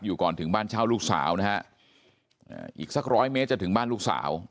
ก่อนถึงบ้านเช่าลูกสาวนะฮะอีกสักร้อยเมตรจะถึงบ้านลูกสาว